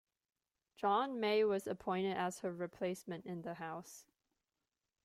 John May was appointed as her replacement in the House.